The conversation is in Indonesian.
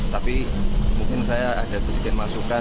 tapi mungkin saya ada sedikit masukan